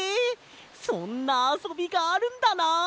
そんなあそびがあるんだな！